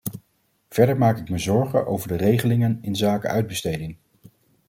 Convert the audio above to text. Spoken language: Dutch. Verder maak ik me zorgen over de regelingen inzake uitbesteding.